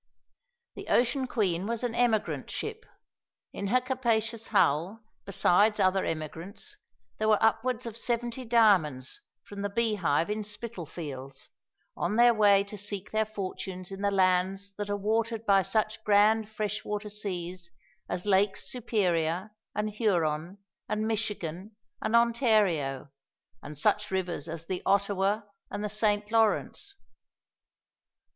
The Ocean Queen was an emigrant ship. In her capacious hull, besides other emigrants, there were upwards of seventy diamonds from the Beehive in Spitalfields on their way to seek their fortunes in the lands that are watered by such grand fresh water seas as Lakes Superior and Huron and Michigan and Ontario, and such rivers as the Ottawa and the Saint Lawrence.